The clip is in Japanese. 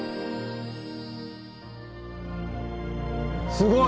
すごい！